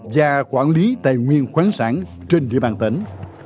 và quản lý tài nguyên khoáng sản trên địa bàn tỉnh